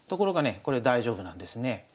これ大丈夫なんですね。